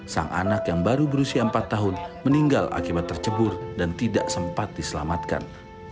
sang anak yang baru berusia empat tahun meninggal akibat tercebur dan tidak sempat diselamatkan